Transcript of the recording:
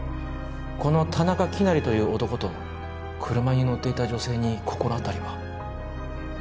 この田中希也という男と車に乗っていた女性に心当たりは？